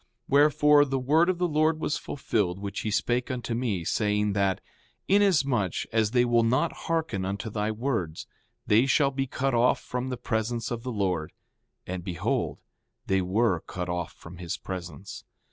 5:20 Wherefore, the word of the Lord was fulfilled which he spake unto me, saying that: Inasmuch as they will not hearken unto thy words they shall be cut off from the presence of the Lord. And behold, they were cut off from his presence.